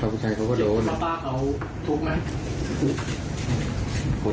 ทางลูกของคนใดก็โดน